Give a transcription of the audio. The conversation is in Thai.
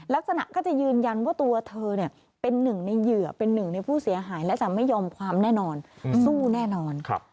ลักษณะก็จะยืนยันว่าตัวเธอเป็นหนึ่งในเหยื่อเป็นหนึ่งในผู้เสียหายและจะไม่ยอมความแน่นอนสู้แน่นอน